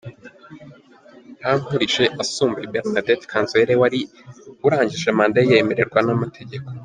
Yankurije asumbuye Bernadette Kanzayire wari urangije manda ye yemererwa n’amategeko.